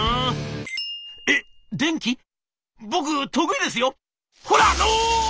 僕得意ですよほら！」。